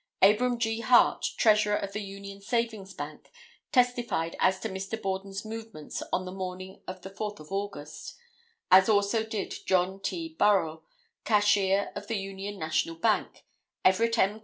Abram G. Hart, treasurer of the Union Savings Bank, testified as to Mr. Borden's movements on the morning of the 4th of August. As also did John T. Burrill, cashier of the Union National Bank, Everett M.